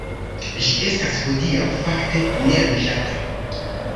Ĝi estas hodiaŭ fakte neloĝata.